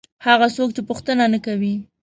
هغه څوک چې پوښتنه نه کوي.